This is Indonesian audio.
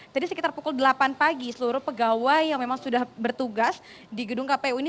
tadi sekitar pukul delapan pagi seluruh pegawai yang memang sudah bertugas di gedung kpu ini